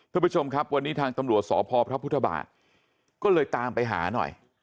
ทุกผู้ชมครับวันนี้ทางตำรวจสพพบก็เลยตามไปหาหน่อย